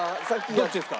どっちですか？